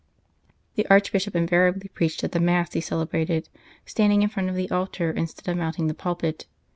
The Archbishop invariably preached at the Mass he celebrated, standing in front of the altar instead of mounting the pulpit.